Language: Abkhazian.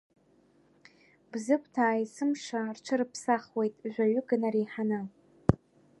Бзыԥҭаа есымша рҽырыԥсахуеит жәа-ҩык инареиҳаны.